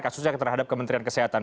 kasusnya terhadap kementerian kesehatan